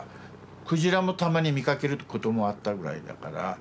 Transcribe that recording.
鯨もたまに見かけることもあったぐらいだから。